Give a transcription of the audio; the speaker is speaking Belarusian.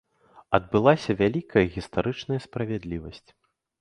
Адбылася вялікая гістарычная справядлівасць.